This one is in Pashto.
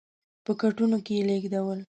په کټونو کې یې لېږدول.